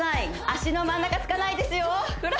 足の真ん中つかないですよ